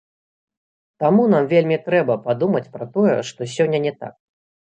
Таму нам вельмі трэба падумаць пра тое, што сёння не так.